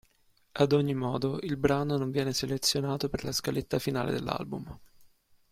Ad ogni modo il brano non viene selezionato per la scaletta finale dell'album.